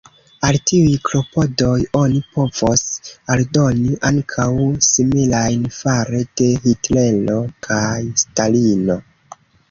Al tiuj klopodoj oni povos aldoni ankaŭ similajn fare de Hitlero kaj Stalino.